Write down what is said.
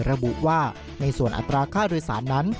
ระบุว่าในส่วนอัตราค่าโดยสารนั้น